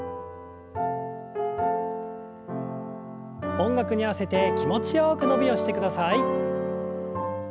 音楽に合わせて気持ちよく伸びをしてください。